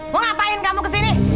mau ngapain kamu kesini